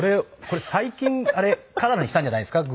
これ最近カラーにしたんじゃないですか？